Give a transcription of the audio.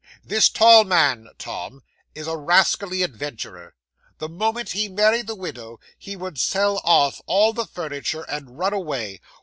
This tall man, Tom, is a rascally adventurer. The moment he married the widow, he would sell off all the furniture, and run away.